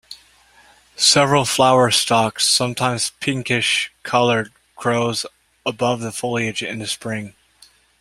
Several flower stalks, sometimes pinkish colored, grow above the foliage in the spring.